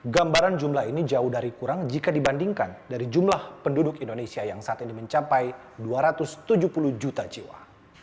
gambaran jumlah ini jauh dari kurang jika dibandingkan dari jumlah penduduk indonesia yang saat ini mencapai dua ratus tujuh puluh juta jiwa